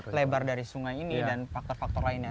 karena lebar dari sungai ini dan faktor faktor lainnya